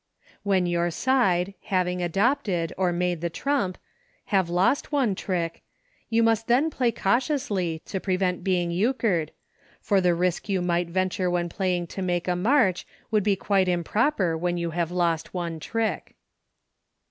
When your side, having adopted, or made the trump, have lost one trick, you must then play cautiously to prevent being Euchred, for the risk you might venture when playing to make a march would be quite improper when you have lost one trick.